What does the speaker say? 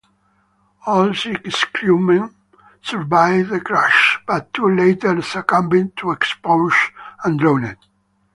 All six crewmen survived the crash, but two later succumbed to exposure and drowned.